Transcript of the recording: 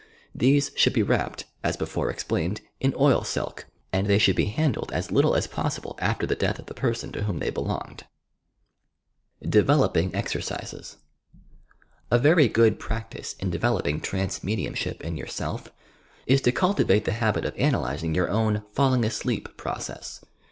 These should be wrapped, as before explained, in oil silb, and they should be handled as little as possible after the death of the person to whom tbey belonged. DEVELOPING EXERCISES A very good practice in developing trance medium ship in yourself is to cultivate the habit of analysing your own "falling asleep" process.